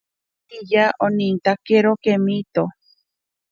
Maríya onintakero kemito.